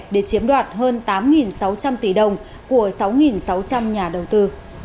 để chiếm đoạt hơn tám sáu trăm linh tỷ đồng của sáu sáu trăm linh nhà đầu tư